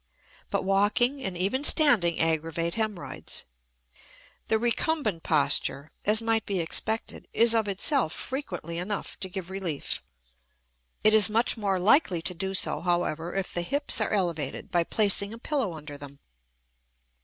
But walking and even standing aggravate hemorrhoids. The recumbent posture, as might be expected, is of itself frequently enough to give relief. It is much more likely to do so, however, if the hips are elevated by placing a pillow under them.